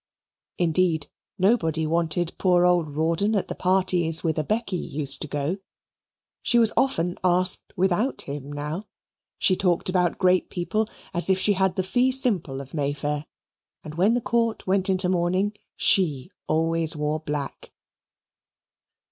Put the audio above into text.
Indeed, nobody wanted poor old Rawdon at the parties whither Becky used to go. She was often asked without him now. She talked about great people as if she had the fee simple of May Fair, and when the Court went into mourning, she always wore black.